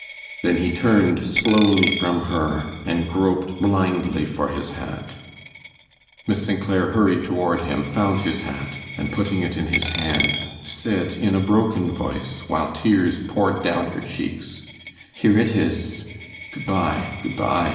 Then he turned slowly from her and groped blindly for his hat. Miss St. Clair hurried toward him, found his hat, and putting it in his hand, said, in a broken voice, while tears poured down her cheeks: "Here it is; good by, good by."